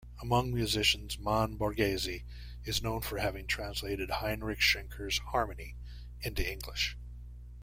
Among musicians, Mann Borgese is known for having translated Heinrich Schenker's "Harmony" into English.